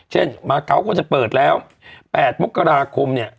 เช่นบาเกาะก็จะเปิดแล้ว๘มกราคม